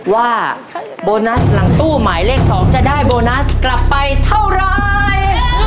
ว่าโบนัสหลังตู้หมายเลข๒จะได้โบนัสกลับไปเท่าไร